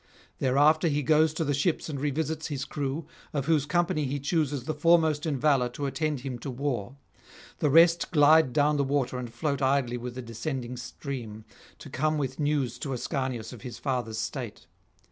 Thereafter he goes to the ships and revisits his crew, of whose company he chooses the foremost in valour to attend him to war; the rest glide down the water and float idly with the descending stream, to come with news to Ascanius of his father's state.